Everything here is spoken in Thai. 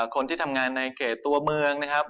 คนที่ทำงานในเขตตัวเมืองนะครับ